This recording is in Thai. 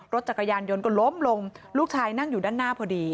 รถจักรยานยนต์ก็ล้มลงลูกชายนั่งอยู่ด้านหน้าพอดี